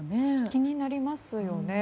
気になりますよね。